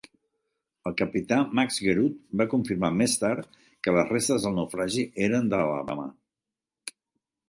El capità Max Guerout va confirmar més tard que les restes del naufragi eren de "Alabama".